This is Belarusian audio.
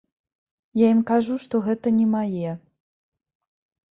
Я ім кажу, што гэта не мае.